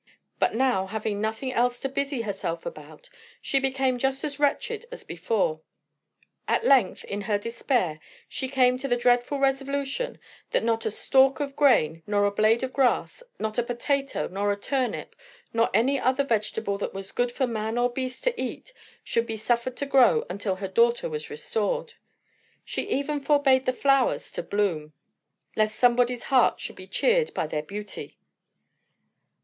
But now, having nothing else to busy herself about, she became just as wretched as before. At length, in her despair, she came to the dreadful resolution that not a stalk of grain, nor a blade of grass, not a potato, nor a turnip, nor any other vegetable that was good for man or beast to eat, should be suffered to grow until her daughter were restored. She even forbade the flowers to bloom, lest somebody's heart should be cheered by their beauty.